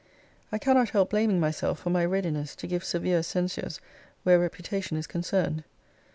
I cannot help blaming myself for my readiness to give severe censures where reputation is concerned.